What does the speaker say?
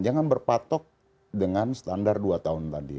jangan berpatok dengan standar dua tahun tadi